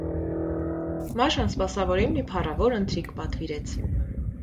Մաշան սպասավորին մի փառավոր ընթրիք պատվիրեց: